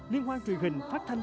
liên hoan truyền hình phát thanh